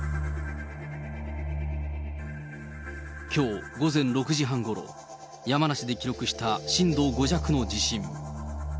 きょう午前６時半ごろ、山梨で記録した震度５弱の地震。